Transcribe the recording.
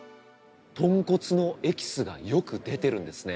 豚骨のエキスがよく出てるんですね。